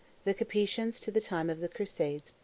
THE CAPETIANS TO THE TIME OF THE CRUSADES.